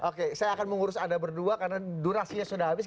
oke saya akan mengurus anda berdua karena durasinya sudah habis